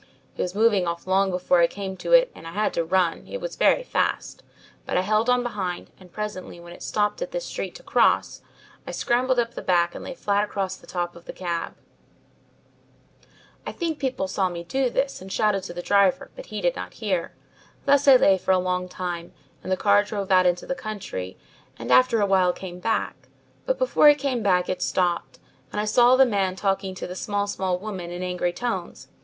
"It was moving off long before I came to it, and I had to run; it was very fast. But I held on behind, and presently when it stopped at this street to cross, I scrambled up the back and lay flat upon the top of the cab. I think people saw me do this and shouted to the driver, but he did not hear. Thus I lay for a long time and the car drove out into the country and after a while came back, but before it came back it stopped and I saw the man talking to the small small woman in angry tones.